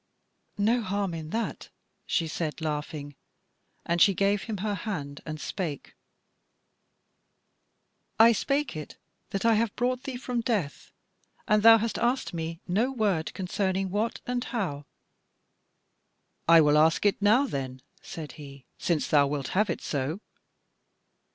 "No harm in that," she said, laughing, and she gave him her hand and spake: "I spake it that I have brought thee from death, and thou hast asked me no word concerning what and how." "I will ask it now, then," said he, "since thou wilt have it so."